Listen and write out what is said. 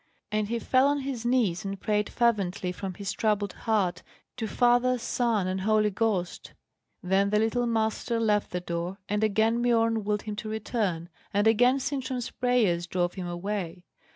And he fell on his knees, and prayed fervently from his troubled heart to Father, Son, and Holy Ghost. Then the little Master left the door, and again Biorn willed him to return, and again Sintram's prayers drove him away.